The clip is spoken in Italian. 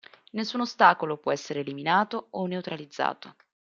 Nessun ostacolo può essere eliminato o neutralizzato.